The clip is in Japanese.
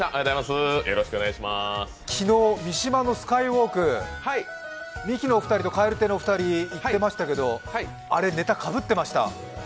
昨日、三島のスカイウォーク、ミキのお二人と蛙亭のお二人行ってましたけど、あれ、ネタかぶってました。